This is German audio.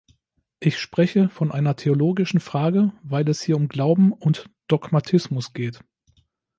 Ich spreche von einer theologischen Frage, weil es hier um Glauben und Dogmatismus geht.